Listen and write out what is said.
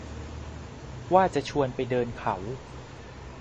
ว่าจะชวนไปเดินเขา